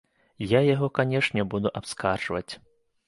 Я яго, канешне, буду абскарджваць.